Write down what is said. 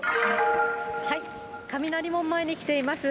雷門前に来ています。